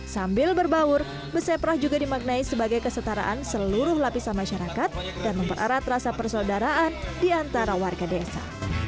sambil berbaur beseprah juga dimaknai sebagai kesetaraan seluruh lapisan masyarakat dan mempererat rasa persaudaraan di antara warga desa